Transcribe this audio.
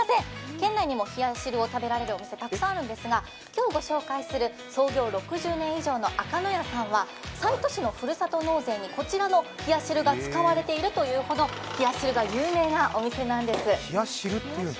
県内にも冷や汁を食べられるお店がいっぱいあるんですが今日ご紹介する創業６０年以上のあかのやさんは、西都市のふるさと納税にこちらの冷や汁が使われているほど冷や汁が有名なお店なんです。